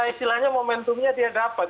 istilahnya momentumnya dia dapat